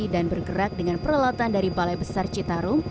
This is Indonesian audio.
dan bergerak dengan peralatan dari balai besar citarum